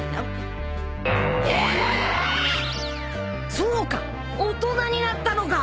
そうか大人になったのか！